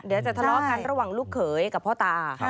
เดี๋ยวจะทะเลาะกันระหว่างลูกเขยกับพ่อตา